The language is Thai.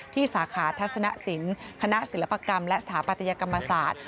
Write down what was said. สาขาทัศนสินคณะศิลปกรรมและสถาปัตยกรรมศาสตร์